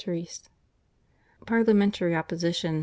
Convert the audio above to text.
CHAPTER II. PARLIAMENTARY OPPOSITION.